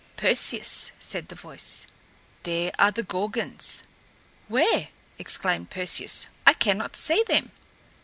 "Perseus," said the voice, "there are the Gorgons." "Where?" exclaimed Perseus. "I cannot see them."